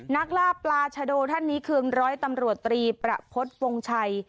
นักล่าปราชโดท่านนี้คือร้อยตำรวจตรีประพฤติวงชัย